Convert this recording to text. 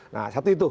nah satu itu